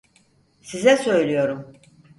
Size söylüyorum!